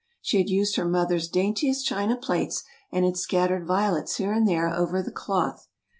She had used her mother's daintiest china plates, and had scattered violets here and there over the cloth.